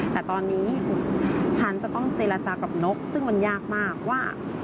แต่ตอนนี้ฉันจะต้องเจรจากับนกซึ่งมันยากมากว่า